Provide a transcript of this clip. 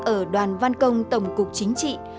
ở đoàn văn công tổng cục chính trị